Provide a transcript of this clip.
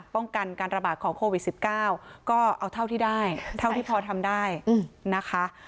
ป้องกันการระบาดของโควิด๑๙ก็เอาเท่าที่ได้เท่าที่พอทำได้นะคะ